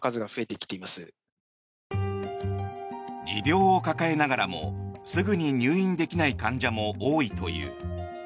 持病を抱えながらもすぐに入院できない患者も多いという。